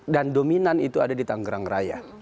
dan dominan itu ada di tangerang raya